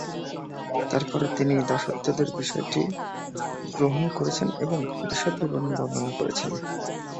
তারপরে তিনি দাসত্বের বিষয়টি গ্রহণ করেছেন এবং বিশদ বিবরণ বর্ণনা করেছেন।